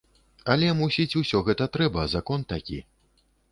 Але, мусіць, усё гэта трэба, закон такі.